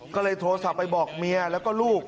ก็เลยโทรศัพท์ไปบอกเมียแล้วก็ลูก